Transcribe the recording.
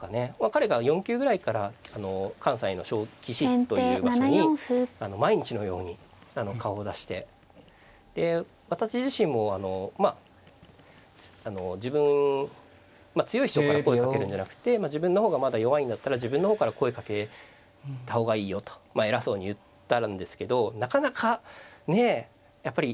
彼が４級ぐらいから関西の棋士室という場所に毎日のように顔を出してで私自身もあの自分強い人から声かけるんじゃなくて自分の方がまだ弱いんだったら自分の方から声かけた方がいいよと偉そうに言ってあるんですけどなかなかねえやっぱり。